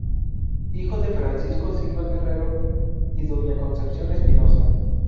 Hijo de Francisco Silva Guerrero y doña Concepción Espinoza.